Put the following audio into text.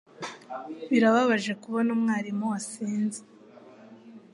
Birababaje kubona umwarimu wasinze